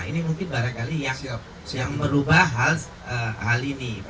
ini mungkin barangkali yang merubah hal ini